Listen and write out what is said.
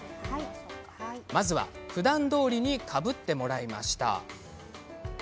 まずはふだんどおりにかぶってもらいました。